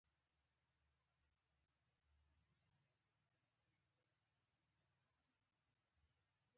که ولسمشر د قضایه قوې خپلواکي زیانه کړي.